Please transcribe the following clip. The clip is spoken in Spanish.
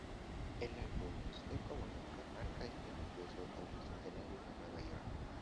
El álbum "Estoy Como Nunca" marca este regreso a los escenarios de Nueva York.